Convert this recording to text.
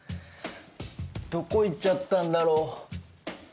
どこ行っちゃったんだろう？